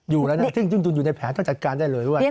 อยู่แล้วนะอยู่ในแผนต้องจัดการได้เลย